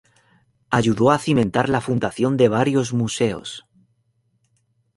Ayudó a cimentar la fundación de varios museos.